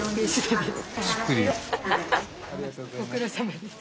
ご苦労さまです。